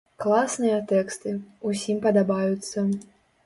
Класныя тэксты, усім падабаюцца!